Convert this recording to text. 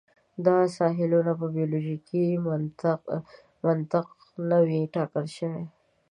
دا ساحلونه په بیولوژیکي منطق نه وې ټاکل شوي.